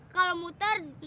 kalau muter ntar kejauhan